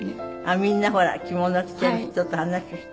みんなほら着物着てる人と話しして。